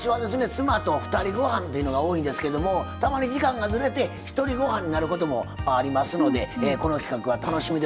妻とふたりごはんというのが多いんですけどもたまに時間がズレてひとりごはんになることもありますのでこの企画は楽しみでございますが。